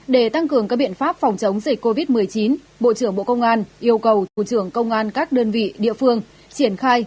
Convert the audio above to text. để tăng cường các biện pháp phòng chống dịch covid một mươi chín bộ trưởng bộ công an yêu cầu thủ trưởng công an các đơn vị địa phương triển khai